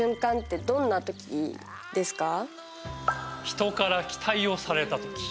「人から期待をされたとき」。